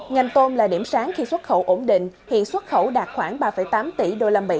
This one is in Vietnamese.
ngành tôm là điểm sáng khi xuất khẩu ổn định hiện xuất khẩu đạt khoảng ba tám tỷ usd